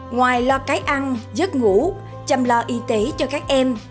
ngoài lo cái ăn giấc ngủ chăm lo y tế cho các em